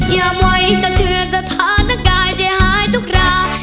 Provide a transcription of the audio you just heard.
ยามไหวจะเถื่อสถานกายจะหายทุกรา